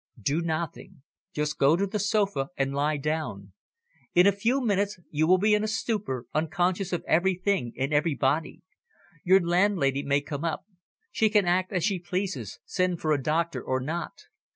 "Do nothing; just go to the sofa and lie down. In a few minutes you will be in a stupor, unconscious of everything and everybody. Your landlady may come up; she can act as she pleases; send for a doctor or not.